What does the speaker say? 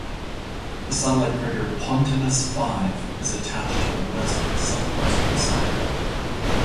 The satellite crater Pontanus V is attached to the west-southwestern side.